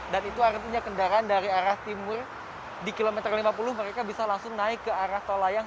dan itu artinya kendaraan dari arah timur di kilometer lima puluh mereka bisa langsung naik ke arah tol layang